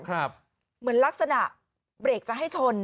เหมือนลักษณะเบรกจะให้ชน